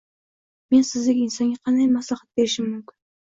— Men sizdek insonga qanday maslahat berishim mumkin?